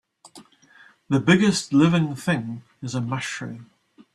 The biggest living thing is a mushroom.